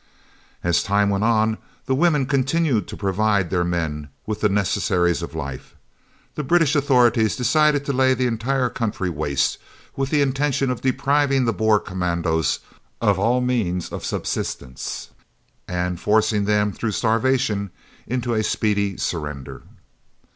As time went on and the women continued to provide their men with the necessaries of life, the British authorities decided to lay the entire country waste, with the intention of depriving the Boer commandos of all means of subsistence and forcing them, through starvation, into a speedy surrender.